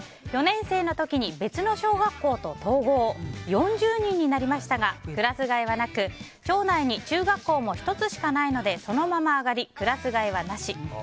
４年生の時に別の小学校と統合４０人になりましたがクラス替えはなく町内に中学校も１つしかないのでそのまま上がりクラス替えはなし。